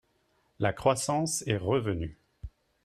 La croissance est revenue